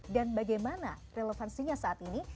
dan bagaimana relevansinya saat ini